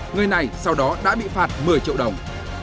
người này sau đó đã bị phạt một mươi triệu đồng